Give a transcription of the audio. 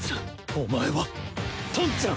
お前はトンちゃん！